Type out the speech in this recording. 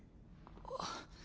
あっ。